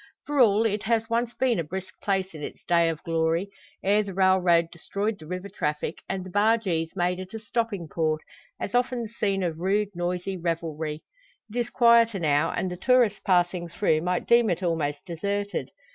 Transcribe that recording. For all, it has once been a brisk place in its days of glory; ere the railroad destroyed the river traffic, and the bargees made it a stopping port, as often the scene of rude, noisy revelry. It is quieter now, and the tourist passing through might deem it almost deserted.